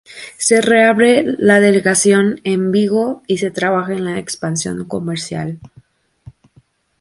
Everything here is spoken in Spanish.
Se reabre la delegación en Vigo y se trabaja en la expansión comercial.